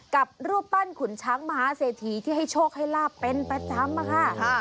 กับรูปปั้นขุนช้างมหาเศรษฐีที่ให้โชคให้ลาบเป็นประจำค่ะ